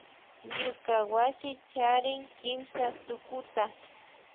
Ñuka wasi charin kimsa tukuta